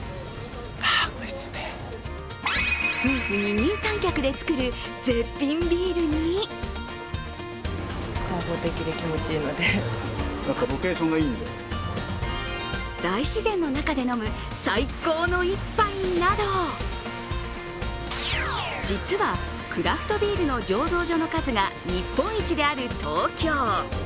夫婦二人三脚で作る絶品ビールに大自然の中で飲む最高の一杯など実は、クラフトビールの醸造所の数が、日本一である東京。